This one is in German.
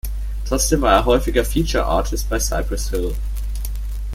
Trotzdem war er häufiger Feature Artist bei Cypress Hill.